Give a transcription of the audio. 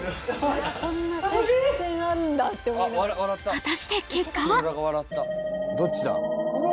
果たして結果は？